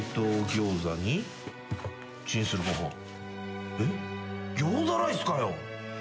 ギョーザライスかよ。